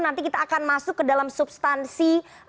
nanti kita akan masuk ke dalam substansi